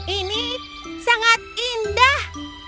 ini sangat indah